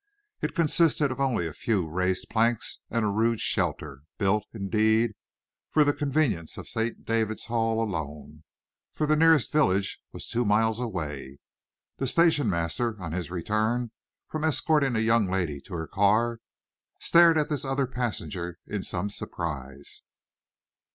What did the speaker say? It consisted only of a few raised planks and a rude shelter built, indeed, for the convenience of St. David's Hall alone, for the nearest village was two miles away. The station master, on his return from escorting the young lady to her car, stared at this other passenger in some surprise.